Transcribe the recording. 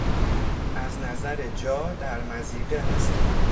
از نظر جا در مضیقه هستیم.